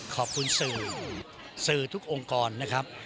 ขอบคุณสื่อสื่อทุกองค์กรนะครับ